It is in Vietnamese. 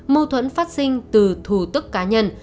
mâu thuẫn phát sinh từ thủ tức cá nhân